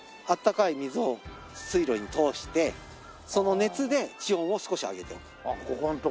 温かい水を水路に通してその熱で地温を少し上げてます。